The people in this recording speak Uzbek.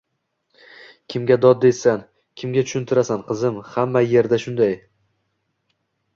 Kimga dod deysan, kimga tushuntirasan, qizim?! Hamma yerdashunday.